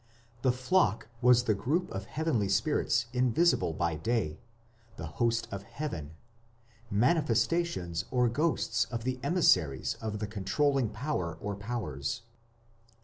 The flock was the group of heavenly spirits invisible by day, the "host of heaven" manifestations or ghosts of the emissaries of the controlling power or powers.